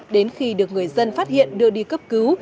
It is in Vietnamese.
đến khi được người dân phát hiện đưa đi cấp cứu